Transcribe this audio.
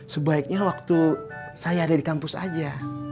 sebaiknya waktu saya ada di kampus aja